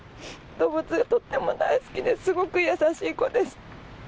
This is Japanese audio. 動物がとっても大好きで、すごく優しい子です。